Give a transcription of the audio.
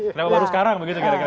kenapa baru sekarang begitu